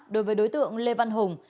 đối với đối tượng lê văn hùng